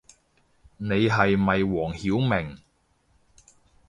你係咪黃曉明